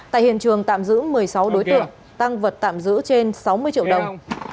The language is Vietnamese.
tại hiện trường tạm giữ một mươi sáu đối tượng tăng vật tạm giữ trên sáu mươi triệu đồng